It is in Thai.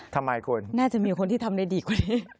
ทำไมคุณน่าจะมีคนที่ทำได้ดีกว่านี้